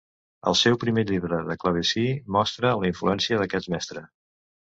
El seu primer llibre de clavecí mostra la influència d'aquest mestre.